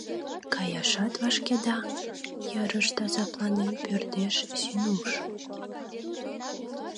Каяшат вашкеда? — йырышт азапланен пӧрдеш Зинуш.